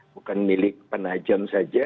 bukan milik penajam saja